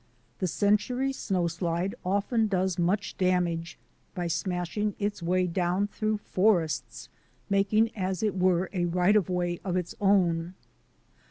The century snowslide often does much damage by smashing its way down through forests, making as it were a right of way of its own.